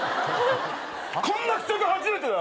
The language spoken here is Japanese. こんな屈辱初めてだ！